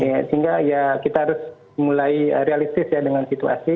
sehingga ya kita harus mulai realistis ya dengan situasi